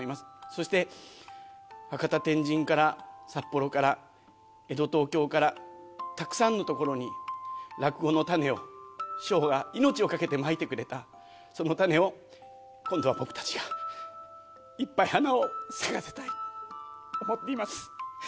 そして、博多天神から、札幌から、江戸東京から、たくさんの所に、落語の種を、師匠が命を懸けてまいてくれた、その種を今度は僕たちが、いっぱい花を咲かせたいと思っています。